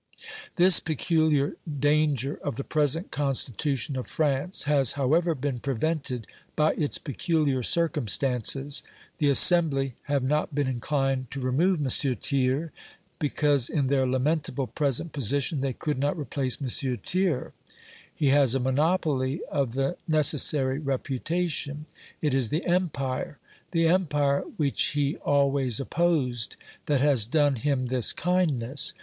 This peculiar danger of the present Constitution of France has however been prevented by its peculiar circumstances. The Assembly have not been inclined to remove M. Thiers, because in their lamentable present position they could not replace M. Thiers. He has a monopoly of the necessary reputation. It is the Empire the Empire which he always opposed that has done him this kindness.